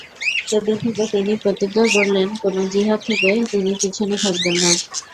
সেদিন থেকে তিনি প্রতিজ্ঞা করলেন, কোন জিহাদ থেকে তিনি পিছনে থাকবেন না।